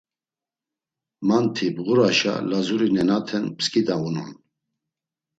Manti bğuraşa Lazuri nenaten pskidaunon.